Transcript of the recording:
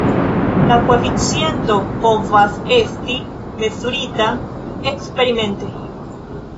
La koeficiento povas esti mezurita eksperimente.